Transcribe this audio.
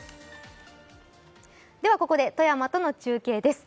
ではここで富山との中継です。